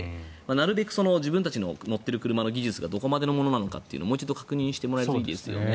なるべく自分たちが乗っている車の技術がどこまでのものなのかってのをもう一度確認してもらえるといいですよね。